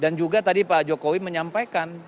dan juga tadi pak jokowi menyampaikan